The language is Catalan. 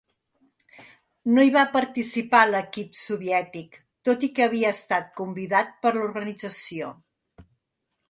No hi va participar l'equip soviètic, tot i que havia estat convidat per l'organització.